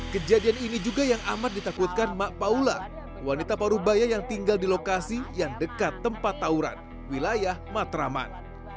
kejadian ini juga yang amat ditakutkan mak paula wanita parubaya yang tinggal di lokasi yang dekat tempat tauran wilayah matraman